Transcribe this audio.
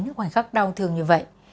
những khoảnh khắc đau thương như vậy